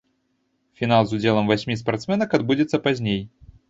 Фінал з удзелам васьмі спартсменак адбудзецца пазней.